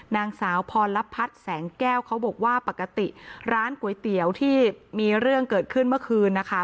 นางสาวพรพัฒน์แสงแก้วเขาบอกว่าปกติร้านก๋วยเตี๋ยวที่มีเรื่องเกิดขึ้นเมื่อคืนนะคะ